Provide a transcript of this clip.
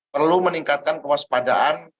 perlu meningkatkan kewaspadaan